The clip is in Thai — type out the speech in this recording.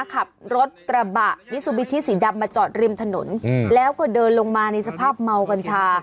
ขับรถกระบะมิซูบิชิสีดำมาจอดริมถนนแล้วก็เดินลงมาในสภาพเมากัญชา